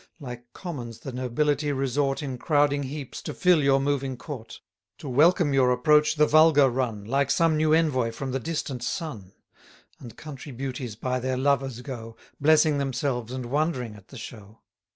Like commons the nobility resort In crowding heaps, to fill your moving court: To welcome your approach the vulgar run, Like some new envoy from the distant sun; And country beauties by their lovers go, 50 Blessing themselves, and wondering at the show.